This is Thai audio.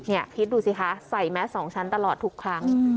นี่คิดดูสิคะใส่แมส๒ชั้นตลอดทุกครั้ง